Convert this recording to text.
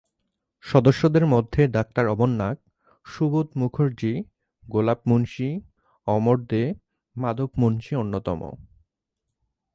সদস্যদের মধ্যে ডাক্তার অমর নাগ, সুবোধ মুখার্জী, গোপাল মুন্সী, অমর দে, মাধব মুন্সী অন্যতম।